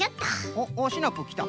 おっシナプーきた。